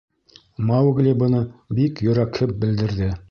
— Маугли быны бик йөрәкһеп белдерҙе.